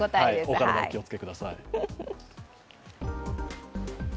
お体お気をつけください。